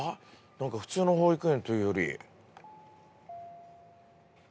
普通の保育園というより。